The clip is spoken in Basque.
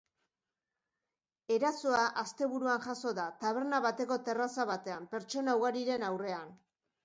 Erasoa asteburuan jazo da, taberna bateko terraza batean, pertsona ugariren aurrean.